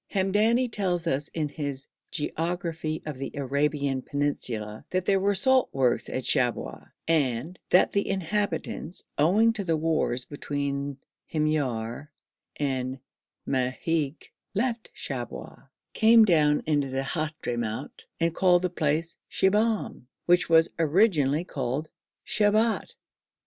Hamdani tells us in his 'Geography of the Arabian Peninsula' that there were salt works at Shabwa, and 'that the inhabitants, owing to the wars between Himyar and Medhig, left Shabwa, came down into the Hadhramout and called the place Shibahm, which was originally called Shibat.'